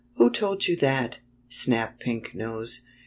"Who told you that?" snapped Pink Nose.